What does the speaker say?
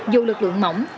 dù lực lượng mỏng